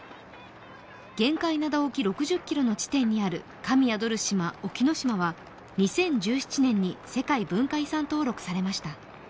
玄界灘沖６０ｋｍの地点にある「神宿る島・沖ノ島」は、２０１７年に世界文化遺産登録されました。